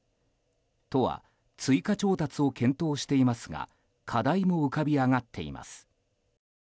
都は追加調達を検討していますが課題も浮かび上がっています。